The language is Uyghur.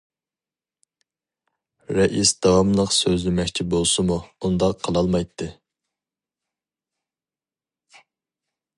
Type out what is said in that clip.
رەئىس داۋاملىق سۆزلىمەكچى بولسىمۇ ئۇنداق قىلالمايتتى.